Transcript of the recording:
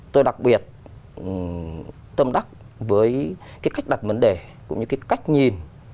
tôi đặc biệt tâm đắc với cái cách đặt vấn đề cũng như cái cách nhìn